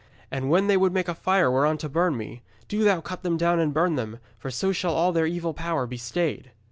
And when they would make a fire whereon to burn me, do thou cut them down and burn them, for so shall all their evil power be stayed.'